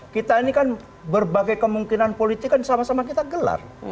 kita ini kan berbagai kemungkinan politik kan sama sama kita gelar